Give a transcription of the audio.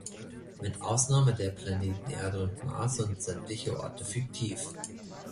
Mit Ausnahme der Planeten Erde und Mars sind sämtliche Orte fiktiv.